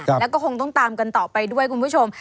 แล้วก็คงต้องตามกันต่อไปด้วยคุณผู้ชม